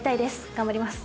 頑張ります。